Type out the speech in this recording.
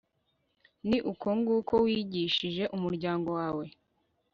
ni uko nguko wigishije umuryango wawe